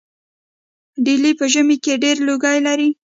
ډیلي په ژمي کې ډیر لوګی لري.